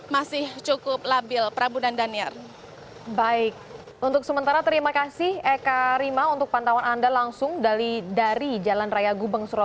masih cukup labil prabu dan daniar